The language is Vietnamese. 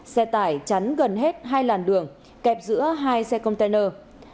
xe tải chắn gần hết hai làn đường kẹp giữa hai xe container